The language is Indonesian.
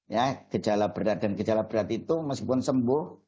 ya gejala berat dan gejala berat itu meskipun sembuh